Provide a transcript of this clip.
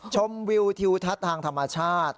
ชมวิวทิวทัศน์ทางธรรมชาติ